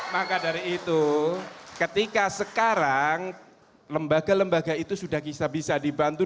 maka dari itu ketika sekarang lembaga lembaga itu sudah bisa bisa dibantu